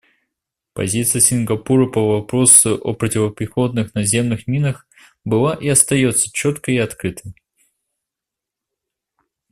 Позиция Сингапура по вопросу о противопехотных наземных минах была и остается четкой и открытой.